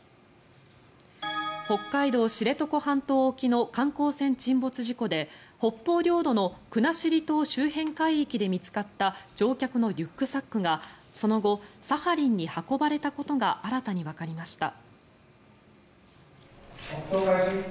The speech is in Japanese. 北海道・知床半島沖の観光船沈没事故で北方領土の国後島周辺海域で見つかった乗客のリュックサックがその後サハリンに運ばれたことが新たにわかりました。